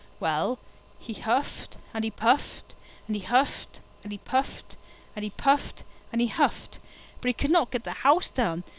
Well, he huffed and he puffed, and he huffed and he puffed, and he puffed and he huffed; but he could not get the house down.